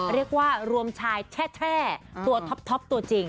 เรียกว่ารวมชายแช่ตัวท็อปตัวจริง